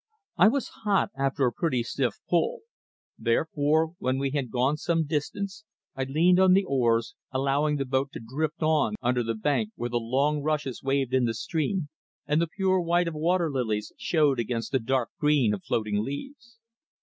I was hot after a pretty stiff pull; therefore, when we had gone some distance, I leaned on the oars, allowing the boat to drift on under the bank where the long rushes waved in the stream and the pure white of the water lilies showed against the dark green of floating leaves.